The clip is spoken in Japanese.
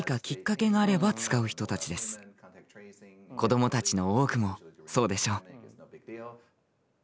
子どもたちの多くもそうでしょう。